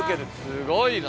すごいな！